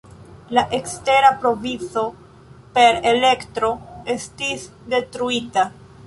La ekstera provizo per elektro estis detruita.